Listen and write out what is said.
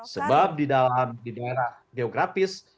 sebab di daerah geografis